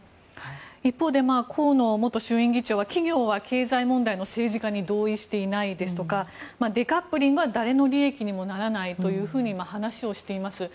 一方で河野元衆院議長は企業は経済問題の政治家に同意してないですとかデカップリングは誰の利益にもならないと話をしています。